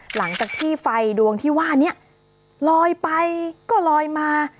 หลังจากที่ไฟดวงที่ว่านี้ลอยไปก็ลอยมา